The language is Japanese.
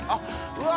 うわ！